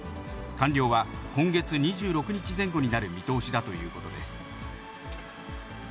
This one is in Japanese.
完了は今月２６日前後になる見通しだということです。